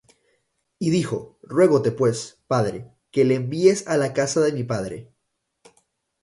Y dijo: Ruégote pues, padre, que le envíes á la casa de mi padre;